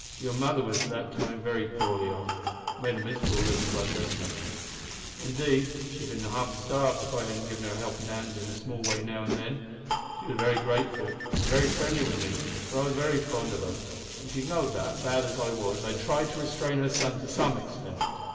Your mother was at that time very poorly off made a miserable livin' by dressmakin'. Indeed, she'd have bin half starved if I hadn't given her a helpin' hand in a small way now an' then. She was very grateful, and very friendly wi' me, for I was very fond of her, and she know'd that, bad as I was, I tried to restrain her son to some extent.